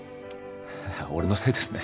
俺のせいですね